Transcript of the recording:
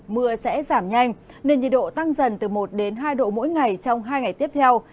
mưa sẽ giảm nhanh nên nhiệt độ tăng dần từ một đến hai độ mỗi ngày trong hai ngày tiếp theo